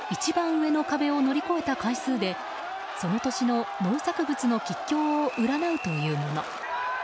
上の壁を乗り越えた回数でその年の農作物の吉凶を占うというもの。